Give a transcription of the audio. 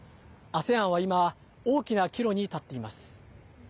ＡＳＥＡＮは今大きな岐路に立っています。